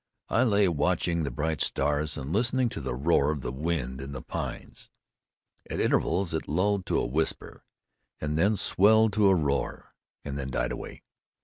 I lay watching the bright stars, and listening to the roar of the wind in the pines. At intervals it lulled to a whisper, and then swelled to a roar, and then died away.